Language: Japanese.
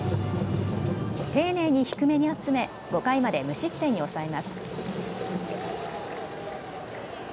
丁寧に低めに集め、５回まで無失点に抑えます。